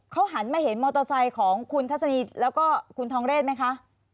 เขาหันมาเห็นมอเตอร์ไซค์ของคุณทัศนีแล้วก็คุณทองเรศไหมคะ